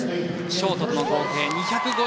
ショートとの合計２５１．０３。